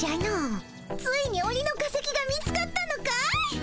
ついにオニの化石が見つかったのかい？